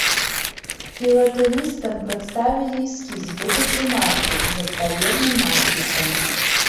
Філатэлістам прадставілі эскіз будучай маркі з адпаведным надпісам.